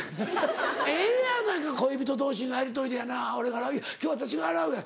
ええやないか恋人同士のやりとりでやな「俺が払う」「今日私が払うよ」